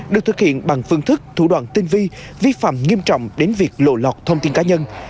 được thực hiện bằng phương thức thủ đoạn tinh vi vi phạm nghiêm trọng đến việc lộ lọt thông tin cá nhân